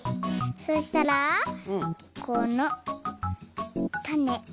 そしたらこのたね。